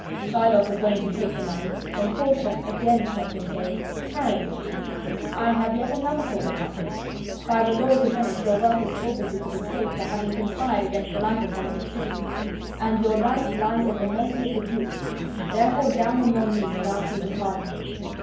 Shylock was going to take the money, when Portia again stopped him, saying: "Tarry, Jew. I have yet another hold upon you. By the laws of Venice your wealth is forfeited to the state for having conspired against the life of one of its citizens, and your life lies at the mercy of the duke; therefore, down on your knees and ask him to pardon you."